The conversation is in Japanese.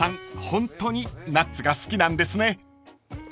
ホントにナッツが好きなんですね］